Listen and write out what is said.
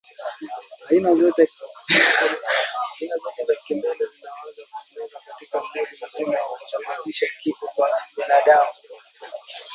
Aina zote za kimeta zinaweza kuenezwa katika mwili mzima na kusababisha kifo kwa binadamu